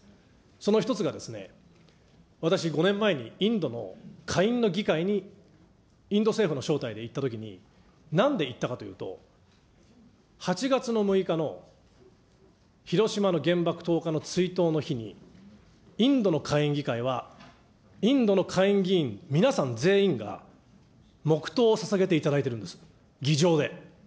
その一つが、私５年前にインドの下院の議会にインド政府の招待で行ったときに、なんで行ったかというと、８月の６日の広島の原爆投下の追悼の日に、インドの下院議会は、インドの下院議員皆さん全員が、黙とうをささげていただいてるんです、議場で。